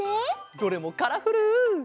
どれもカラフル。